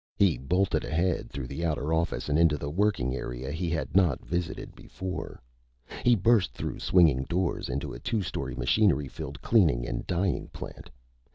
He bolted ahead, through the outer office and into the working area he had not visited before. He burst through swinging doors into a two story, machinery filled cleaning and dyeing plant.